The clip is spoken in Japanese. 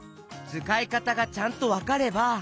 つかいかたがちゃんとわかれば。